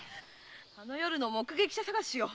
あの夜の目撃者探しよ。